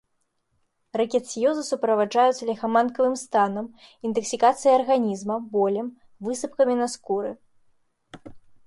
Рыкетсіёзы суправаджаюцца ліхаманкавым станам, інтаксікацыяй арганізма, болем, высыпкамі на скуры.